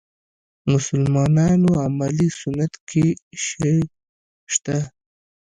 مسلمانانو عملي سنت کې شی شته.